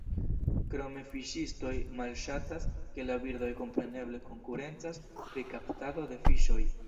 Krome fiŝistoj malŝatas, ke la birdoj kompreneble konkurencas pri kaptado de fiŝoj.